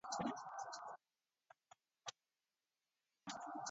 The following clients require a plug-in to use Off-the-Record Messaging.